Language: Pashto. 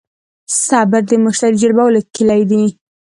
صبر د مشتری جلبولو کیلي ده.